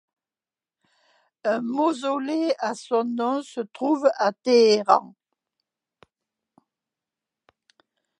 Un maussolée à son nom se trouve à Téhéran.